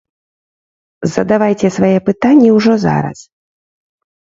Задавайце свае пытанні ўжо зараз!